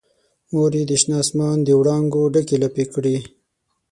مور یې د شنه اسمان دوړانګو ډکې لپې کړي